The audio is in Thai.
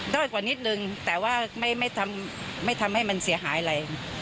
้อยกว่านิดนึงแต่ว่าไม่ทำให้มันเสียหายอะไร